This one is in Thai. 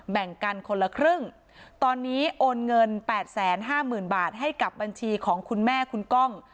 แบ่งกันคนละครึ่งตอนนี้โอนเงิน๘๕๐๐๐บาทให้กับบัญชีของคุณแม่คุณก้อง